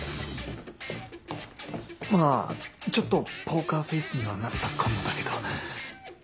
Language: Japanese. まぁちょっとポーカーフェースにはなったかもだけど